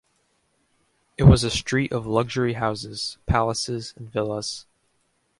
It was a street of luxury houses, palaces and villas.